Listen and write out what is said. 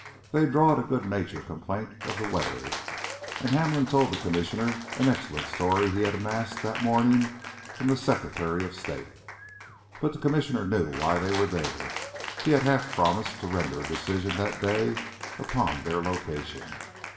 They drawled a good natured complaint of the weather, and Hamlin told the Commissioner an excellent story he had amassed that morning from the Secretary of State. But the Commissioner knew why they were there. He had half promised to render a decision that day upon their location.